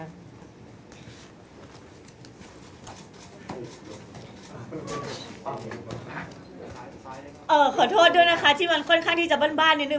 ขอโทษด้วยนะคะที่มันค่อนข้างที่จะบ้านนิดนึ